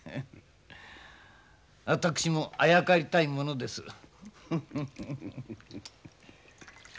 私もあやかりたいものです。